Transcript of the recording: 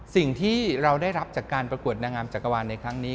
สิ่งที่เราได้รับจากการประกวดนางงามจักรวาลในครั้งนี้